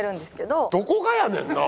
どこがやねんな？